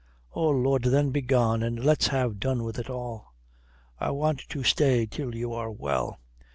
"Oh Lud, then begone and let's have done with it all." "I want to stay till you are well."